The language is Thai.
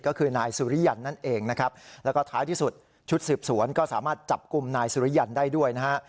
ก็คือนายสุริยันนั่นเองนะครับแล้วก็ท้ายที่สุดชุดสืบสวนก็สามารถจับกลุ่มนายสุริยันได้ด้วยนะฮะ